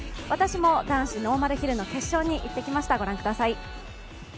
私も男子ノーマルヒルの決勝に行ってきました。